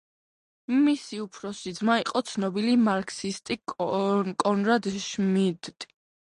მისი უფროსი ძმა იყო ცნობილი მარქსისტი კონრად შმიდტი.